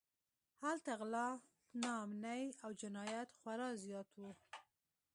هلته غلا، ناامنۍ او جنایت خورا زیات و.